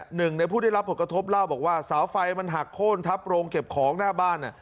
หนึ่งในผู้ได้รับผลกระทบเล่าบอกว่าเสาไฟมันหักโค้นทับโรงเก็บของหน้าบ้าน